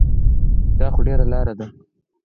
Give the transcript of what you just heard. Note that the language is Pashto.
دا خو ډېره لاره ده.